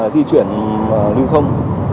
di chuyển lưu thông